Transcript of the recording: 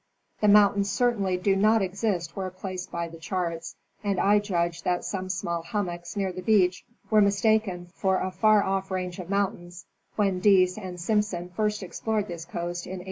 The mountains certainly do not exist where placed by the charts, and I judge that some small hummocks near the beach were mistaken for a far off range of mountains, when Dease and Simpson first explored this coast in 1837.